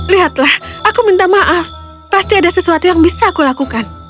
lihatlah aku minta maaf pasti ada sesuatu yang bisa aku lakukan